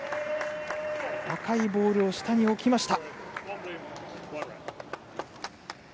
赤いボールを下に置きました。